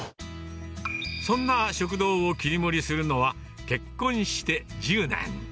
そんな食堂を切り盛りするのは、結婚して１０年。